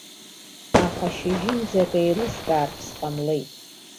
Аха шьыжьынӡа акы еилыскаартә сҟамлеит.